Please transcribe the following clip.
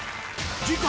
次回